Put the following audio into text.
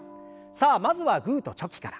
さあまずはグーとチョキから。